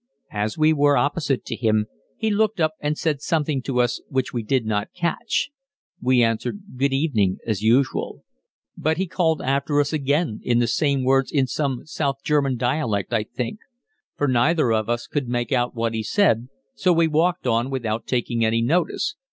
As we were opposite to him he looked up and said something to us which we did not catch. We answered "Good evening," as usual. But he called after us again the same words, in some South German dialect, I think, for neither of us could make out what he said, so we walked on without taking any notice.